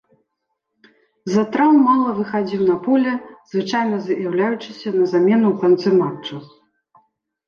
З-за траўм мала выхадзіў на поле, звычайны з'яўляючыся на замену ў канцы матча.